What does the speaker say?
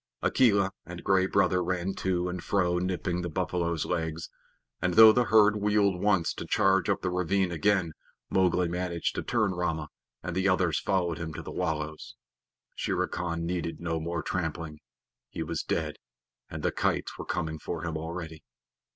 Akela and Gray Brother ran to and fro nipping the buffaloes' legs, and though the herd wheeled once to charge up the ravine again, Mowgli managed to turn Rama, and the others followed him to the wallows. Shere Khan needed no more trampling. He was dead, and the kites were coming for him already.